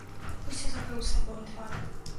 Усё закрыў сабою твар.